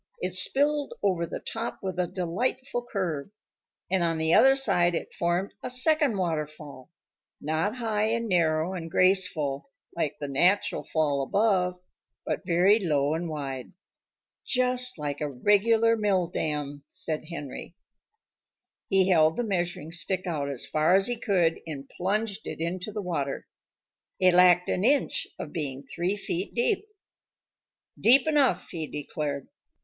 It spilled over the top with a delightful curve. And on the other side it formed a second waterfall not high and narrow and graceful like the natural fall above, but very low and wide. "Just like a regular mill dam," said Henry. He held the measuring stick out as far as he could and plunged it into the water. It lacked an inch of being three feet deep. "Deep enough," he declared.